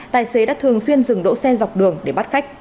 tài xế đã thường xuyên dừng đỗ xe dọc đường để bắt khách